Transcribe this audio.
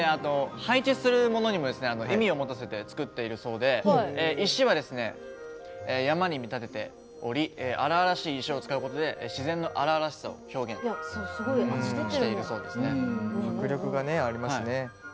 配置するものにも意味を持たせて作っているそうで石は山に見立てており荒々しい石を使うことで自然の荒々しさを迫力がありますね。